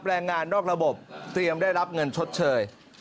แรงงานนอกระบบเตรียมได้รับเงินชดเชย